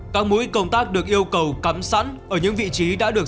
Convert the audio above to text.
các mũi công tác được yêu cầu cắm sẵn ở những vị trí đã được